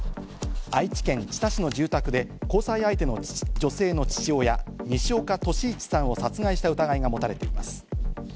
愛知県知多市の住宅で交際相手の女性の父親・西岡歳一さんを殺害した疑いが持たれています。